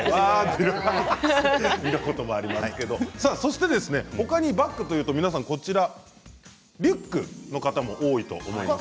そして他にバッグというとリュックの方も多いと思います。